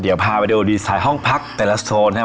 เดี๋ยวพาไปดูดีไซน์ห้องพักแต่ละโซนนะครับ